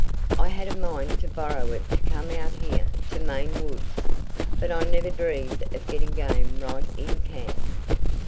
I had a mind to borrow it to come out here to Maine woods, but I never dreamed of getting game right in camp."